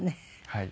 はい。